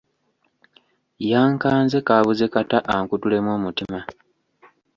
Yankanze kaabuze kata ankutulemu omutima.